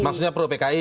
maksudnya pro pki